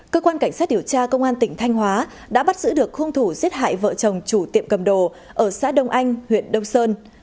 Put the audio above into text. cơ quan cảnh sát điều tra công an tỉnh thanh hóa đã bắt giữ được hung thủ giết hại vợ chồng chủ tiệm cầm đồ ở xã đông anh huyện đông sơn